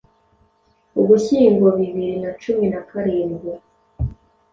ugushyingo bibiri na cumi nakarindwi